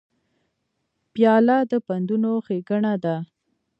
پیاله د پندونو ښیګڼه ده.